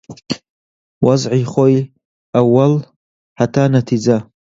وەزعی خۆی ئەووەڵ، هەتا نەتیجە